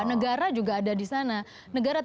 negara juga ada di sana